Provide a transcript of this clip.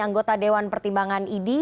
anggota dewan pertimbangan idi